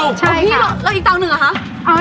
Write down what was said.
แล้วอีกเตาหนึ่งเหรอคะ